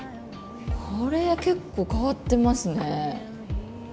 これ結構変わってますね。